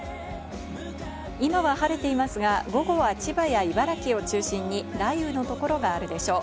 今は晴れていますが、午後は千葉や茨城を中心に雷雨の所があるでしょう。